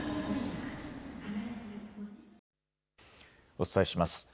お伝えします。